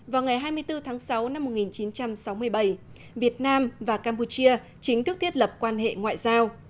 vào ngày hai mươi bốn tháng sáu năm một nghìn chín trăm sáu mươi bảy việt nam và campuchia chính thức thiết lập quan hệ ngoại giao